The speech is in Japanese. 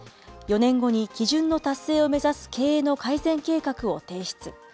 ４年後に基準の達成を目指す経営の改善計画を提出。